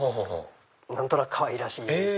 何となくかわいらしい感じ。